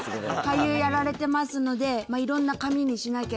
俳優やられてますのでいろんな髪にしなきゃいけない。